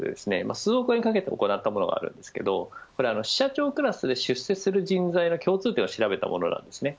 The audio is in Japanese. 数億円かけて行ったものがあるんですが支社長クラスまで出席する人材を共通点を調べたものです。